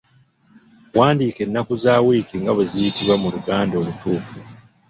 Wandiika ennaku za wiiki nga bwe ziyitibwa mu Luganda olutuufu.